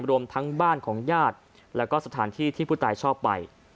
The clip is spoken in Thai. รวมทั้งบ้านของญาติแล้วก็สถานที่ที่ผู้ตายชอบไป